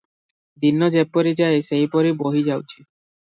ଦିନ ଯେପରି ଯାଏ ସେହିପରି ବହି ଯାଉଛି ।